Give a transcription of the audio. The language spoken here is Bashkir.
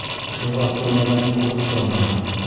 Шуға күрмәгәнен күреп тора бына.